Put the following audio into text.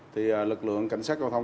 thì lực lượng cảnh sát giao thông